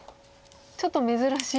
ちょっと珍しい。